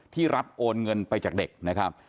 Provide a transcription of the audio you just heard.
รับโอนเงินไปจากเด็กนะครับ